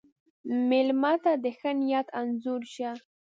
مېلمه ته د ښه نیت انځور شه.